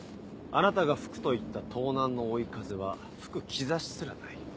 あなたが吹くと言った東南の追い風は吹く兆しすらない。